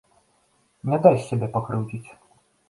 Не дасць сябе пакрыўдзіць.